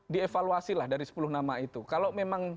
di evaluasi lah dari sepuluh nama itu kalau memang